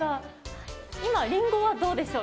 今、りんごはどうでしょう？